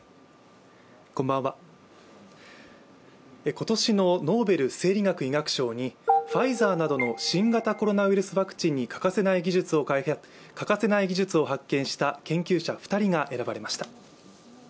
今年のノーベル生理学医学賞にファイザーなどの新型コロナウイルスワクチンに欠かせない技術を発見した研究者２人が選ばれました。